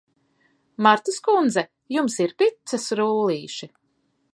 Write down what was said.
Martas kundze, jums ir picas rullīši?